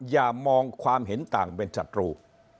อย่ามองความเห็นต่างเป็นศัตรู